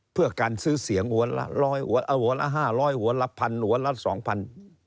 เพื่อการซื้อเสียงหัวละห้าร้อยหัวละพันหัวละสองพัน